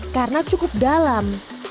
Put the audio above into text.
karena cukup dalam